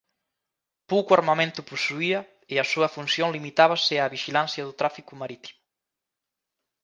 Pouco armamento posuía e a súa función limitábase a vixilancia do tráfico marítimo.